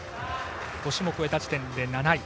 ５種目終えた時点で７位。